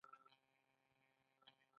اصلي متن او مطلب مهمې برخې دي.